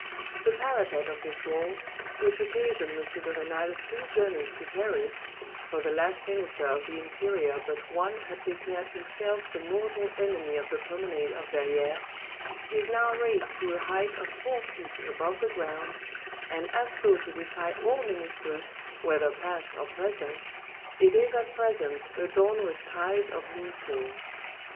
The parapet of this wall, which occasioned M. de Renal three journeys to Paris (for the last Minister of the Interior but one had declared himself the mortal enemy of the promenade of Verrieres), is now raised to a height of four feet above the ground, and as though to defy all ministers whether past or present, it is at present adorned with tiles of hewn stone.